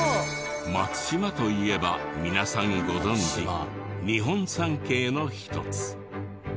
松島といえば皆さんご存じ日本三景の一つ。